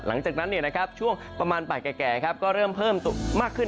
หลังจากนั้นช่วงประมาณบ่ายแก่ก็เริ่มเพิ่มมากขึ้น